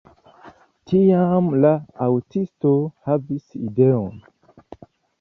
Tiam la aŭtisto havis ideon.